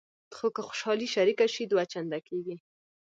خو که خوشحالي شریکه شي دوه چنده کېږي.